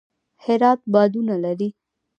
هرات بادونه لري